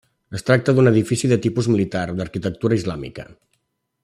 Es tracta d'un edifici de tipus militar, d'arquitectura islàmica.